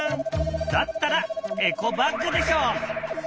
だったらエコバッグでしょう！